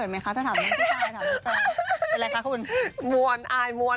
แจ๊คดีกว่าถ้ามีสิบไมค์มาสัมภาษณ์